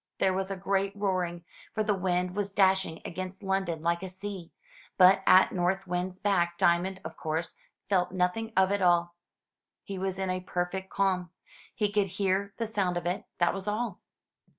There was a great roaring, for the wind was dashing against London like a sea; but at North Wind's back Diamond, of course, felt nothing of it all. He was in a perfect calm. He could hear the sound of it, that was all.